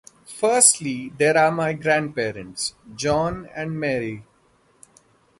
Firstly, there are my grandparents, John and Mary.